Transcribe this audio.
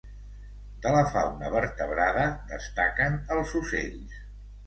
De la fauna vertebrada destaquen els ocells.